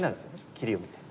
切りを見て。